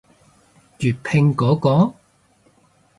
粵拼嗰個？